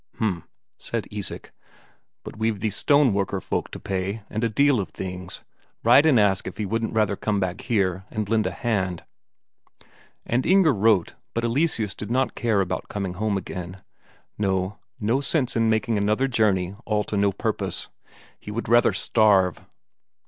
"H'm," said Isak. "But we've these stoneworker folk to pay, and a deal of things ... write and ask if he wouldn't rather come back here and lend a hand." And Inger wrote, but Eleseus did not care about coming home again; no, no sense in making another journey all to no purpose; he would rather starve.